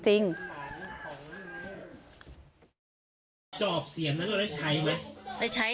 จอบเสี่ยงนั้นเราได้ใช้ไหม